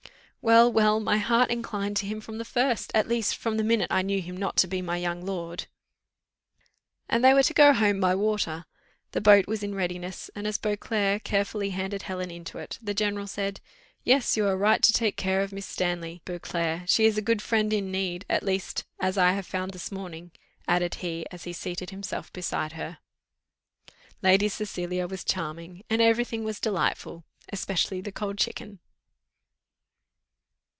"Well, well, my heart inclined to him from the first at least from the minute I knew him not to be my young lord." They were to go home by water. The boat was in readiness, and, as Beauclerc carefully handed Helen into it, the general said: "Yes, you are right to take care of Miss Stanley, Beauclerc; she is a good friend in need, at least, as I have found this morning," added he, as he seated himself beside her. Lady Cecilia was charming, and every thing was delightful, especially the cold chicken.